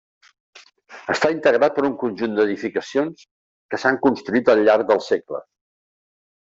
Està integrat per un conjunt d'edificacions, que s'han construït al llarg dels segles.